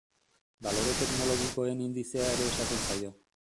Balore teknologikoen indizea ere esaten zaio.